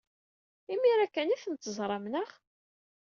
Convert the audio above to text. Imir-a kan ay tent-teẓram, naɣ?